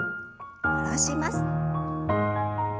下ろします。